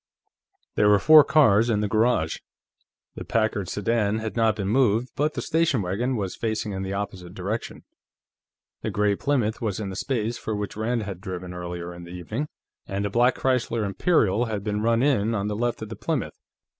There were four cars in the garage. The Packard sedan had not been moved, but the station wagon was facing in the opposite direction. The gray Plymouth was in the space from which Rand had driven earlier in the evening, and a black Chrysler Imperial had been run in on the left of the Plymouth.